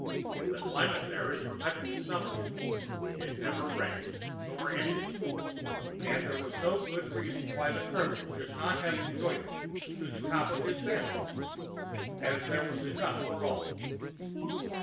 The climate there is perpetual summer; it never rains, nor anything; and there was no good reason why the Colonel should not have enjoyed it to the top of his bent, as there was enough for all.